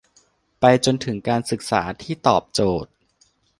ไปจนถึงการศึกษาที่ตอบโจทย์